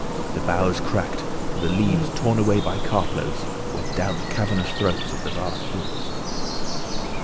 The boughs cracked, and the leaves torn away by cartloads went down the cavernous throats of the vast brutes.